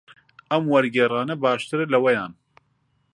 ئەم وەرگێڕانە باشترە لەوەیان.